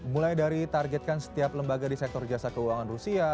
mulai dari targetkan setiap lembaga di sektor jasa keuangan rusia